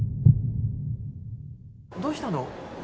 どうしたの？